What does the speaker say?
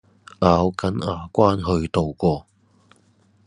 咬緊牙關去渡過